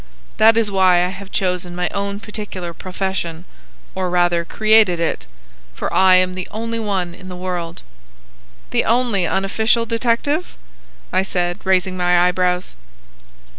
That is why I have chosen my own particular profession,—or rather created it, for I am the only one in the world." "The only unofficial detective?" I said, raising my eyebrows.